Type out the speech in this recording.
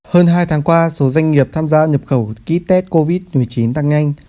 hơn hai tháng qua số doanh nghiệp tham gia nhập khẩu ký tết covid một mươi chín tăng nhanh